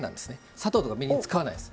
砂糖とかみりん、使わないです。